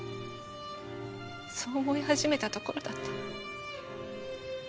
そう思い始めたところだった。